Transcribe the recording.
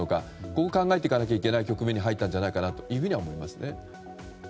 ここを考えていかなきゃいけない局面に入ったんじゃないかなと言えますね。